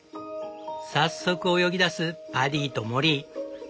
早速泳ぎだすパディとモリー。